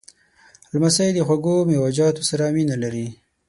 لمسی د خوږو میوهجاتو سره مینه لري.